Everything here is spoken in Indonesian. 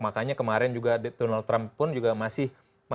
makanya kemarin juga donald trump pun juga masih